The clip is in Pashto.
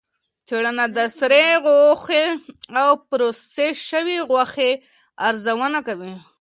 څېړنه د سرې غوښې او پروسس شوې غوښې ارزونه کوي.